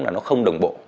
là nó không đồng bộ